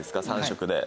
３食で。